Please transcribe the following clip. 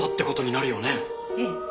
ええ。